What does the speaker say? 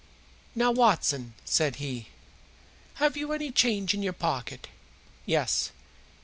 "Now, Watson," said he. "Have you any change in your pocket?" "Yes."